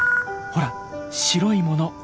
ほら白いもの。